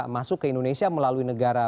masuk ke indonesia melalui negara